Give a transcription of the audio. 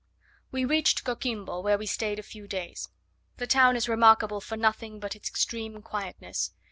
We reached Coquimbo, where we stayed a few days. The town is remarkable for nothing but its extreme quietness.